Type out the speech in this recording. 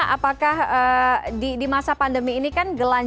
apakah di masa pandemi ini kan